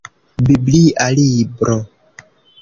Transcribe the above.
Biblia libro.